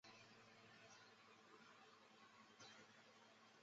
是桂林市重点中学之一。